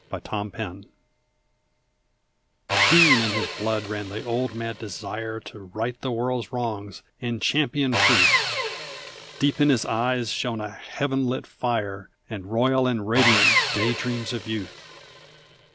THE KNIGHT ERRANT Keen in his blood ran the old mad desire To right the world's wrongs and champion truth; Deep in his eyes shone a heaven lit fire, And royal and radiant day dreams of youth!